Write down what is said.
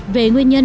về nguyên nhân